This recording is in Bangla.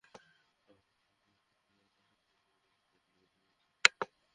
আবহাওয়ার পূর্বাভাসে তাপপ্রবাহের আশঙ্কার কথা বলা হলে রোদে বেশিক্ষণ থাকা চলবে না।